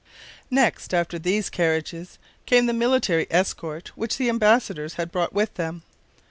Next after these carriages came the military escort which the embassadors had brought with them.